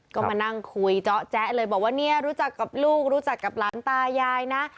ก็มานั่งคุยเจาะแจ๊เลยบอกว่าเนี่ยรู้จักกับลูกรู้จักกับหลานตายายนะ